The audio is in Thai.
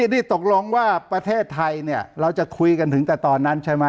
นี่ตกลงว่าประเทศไทยเนี่ยเราจะคุยกันถึงแต่ตอนนั้นใช่ไหม